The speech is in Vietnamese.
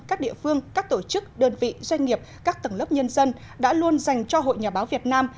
các địa phương các tổ chức đơn vị doanh nghiệp các tầng lớp nhân dân đã luôn dành cho hội nhà báo việt nam